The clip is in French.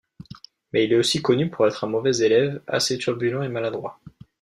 Mais il est aussi connu pour être un mauvais élève assez turbulent et maladroit.